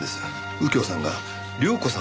右京さんが亮子さん